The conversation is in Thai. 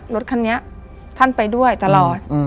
รถคันนี้ท่านไปด้วยตลอด